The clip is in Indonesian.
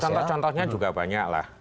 contoh contohnya juga banyak lah